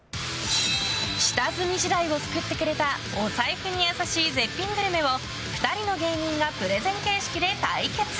下積み時代を救ってくれたお財布に優しい絶品グルメを２人の芸人がプレゼン形式で対決。